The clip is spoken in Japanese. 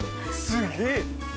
すげえ